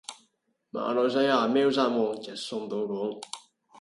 馬來西亞貓山王直送到港